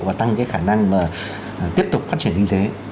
và tăng cái khả năng mà tiếp tục phát triển kinh tế